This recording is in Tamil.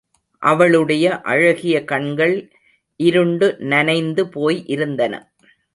அவளுடைய அழகிய கண்கள் இருண்டு நனைந்து போய் இருந்தன.